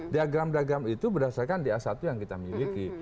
diagram diagram itu berdasarkan di a satu yang kita miliki